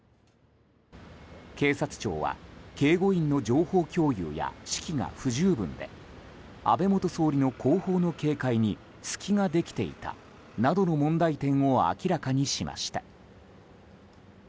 警察庁は警護員の情報共有や指揮が不十分で安倍元総理の後方の警戒に隙ができていたなどの問題点を明らかにしました。